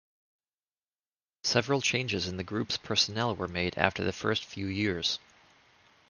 Several changes in the group's personnel were made after the first few years.